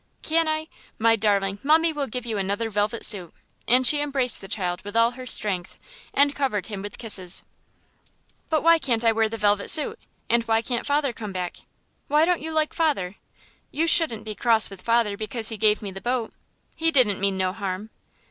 "Can I? My darling, mummie will give you another velvet suit," and she embraced the child with all her strength, and covered him with kisses. "But why can't I wear that velvet suit, and why can't father come back? Why don't you like father? You shouldn't be cross with father because he gave me the boat. He didn't mean no harm."